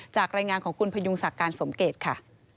จากรายงานของคุณพยุงศักดิ์การสมเกตค่ะ